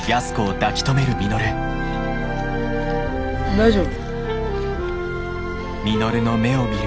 大丈夫？